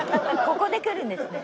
ここでくるんですね。